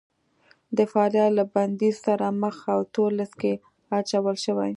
د فعالیت له بندیز سره مخ او تور لیست کې اچول شوي